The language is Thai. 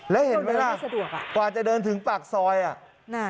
แล้วเห็นไหมล่ะกว่าจะเดินถึงปากซอยอ่ะ